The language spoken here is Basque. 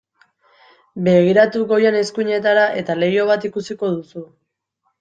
Begiratu goian eskuinetara eta leiho bat ikusiko duzu.